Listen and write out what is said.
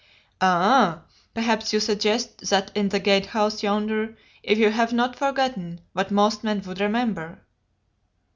"Ah! perhaps you guessed that in the Gate house yonder, if you have not forgotten what most men would remember."